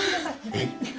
えっ？